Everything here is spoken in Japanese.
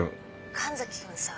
神崎君さ。